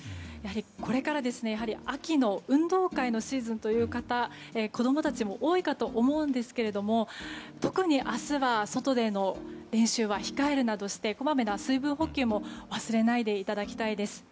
これから秋の運動会のシーズンという方子供たちも多いと思うんですが特に明日は外での練習は控えるなどしてこまめな水分補給も忘れないでいただきたいです。